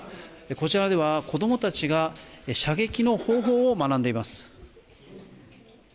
こちらでは子どもたちが射撃の方法を学んでいます。